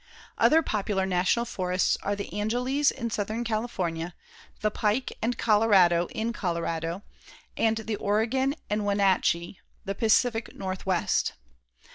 Other popular national forests are the Angeles in southern California, the Pike and Colorado in Colorado, and the Oregon and Wenatchee the Pacific Northwest.